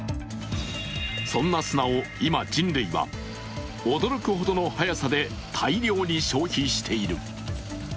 そんな砂を今、人類は驚くほどの早さで大量に消費している。